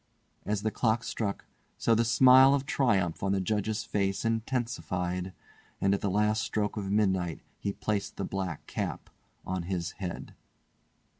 As the clock struck, so the smile of triumph on the Judge's face intensified, and at the last stroke of midnight he placed the black cap on his head.